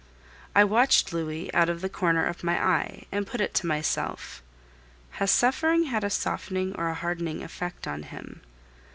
I watched Louis out of the corner of my eye, and put it to myself, "Has suffering had a softening or a hardening effect on him?"